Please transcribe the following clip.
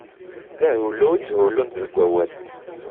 D aḥullu i ttḥullunt deg wawal.